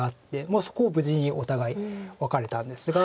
そこを無事にお互いワカれたんですが。